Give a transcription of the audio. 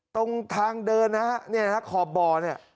ตรงทางเดินนะฮะเนี่ยนะฮะขอบบ่อเนี่ย